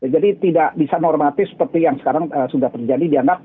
jadi tidak bisa normatif seperti yang sekarang sudah terjadi dianggap